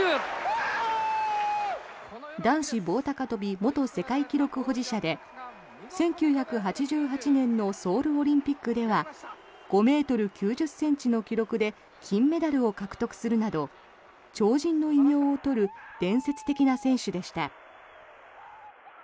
男子棒高跳元世界記録保持者で１９８８年のソウルオリンピックでは５ｍ９０ｃｍの記録で金メダルを獲得するなど鳥人の異名を取る伝説的な選手でした。